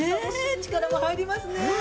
◆力も入りますね。